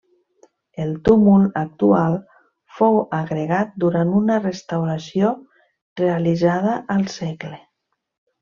El túmul actual fou agregat durant una restauració realitzada al segle.